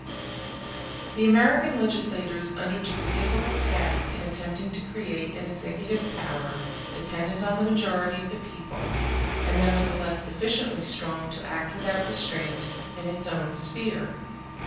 The American legislators undertook a difficult task in attempting to create an executive power dependent on the majority of the people, and nevertheless sufficiently strong to act without restraint in its own sphere.